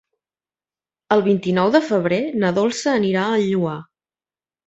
El vint-i-nou de febrer na Dolça anirà al Lloar.